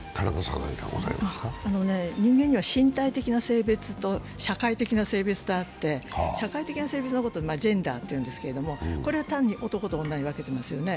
人間には身体的な性別と社会的な性別があって、社会的な性別のことをジェンダーと言うんですけどこれは単に男と女に分けていますね。